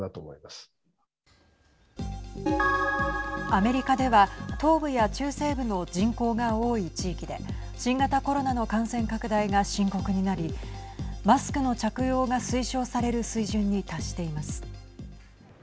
アメリカでは東部や中西部の人口が多い地域で新型コロナの感染拡大が深刻になりマスクの着用が推奨される水準に達しています。